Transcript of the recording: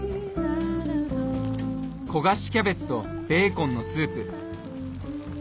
焦がしキャベツとベーコンのスープ。